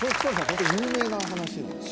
ホントに有名な話なんですか？